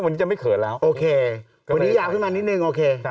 วันนี้อยากขึ้นมานิดนึง